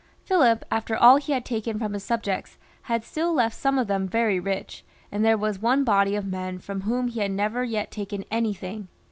Philip, after all he had taken from his subjects, had still left some of them very rich, and there was one body of men from whom he had never yet taken anything.